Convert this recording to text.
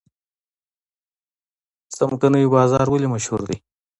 څمکنیو بازار ولې مشهور دی؟